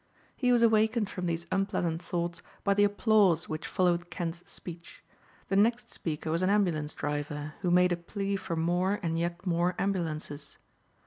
He was awakened from these unpleasant thoughts by the applause which followed Kent's speech. The next speaker was an ambulance driver, who made a plea for more and yet more ambulances.